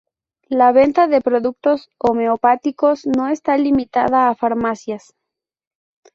La venta de productos homeopáticos no está limitada a farmacias.